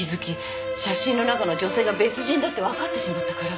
写真の中の女性が別人だって分かってしまったから。